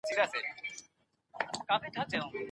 د دې سیمو نیول د اقتصاد لپاره ولې مهم وو؟